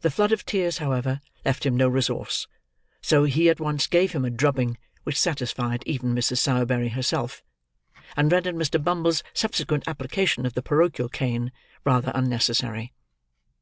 The flood of tears, however, left him no resource; so he at once gave him a drubbing, which satisfied even Mrs. Sowerberry herself, and rendered Mr. Bumble's subsequent application of the parochial cane, rather unnecessary.